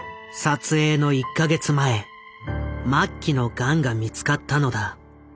撮影の１か月前末期のガンが見つかったのだ。